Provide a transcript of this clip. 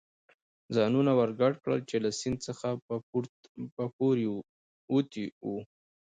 ځانونه ور ګډ کړل، چې له سیند څخه په پورېوتو و.